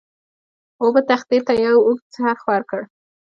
اوبو تختې ته یو اوږد څرخ ورکړ.